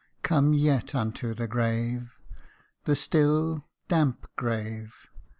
. Come yet unto the grave the still, damp grave !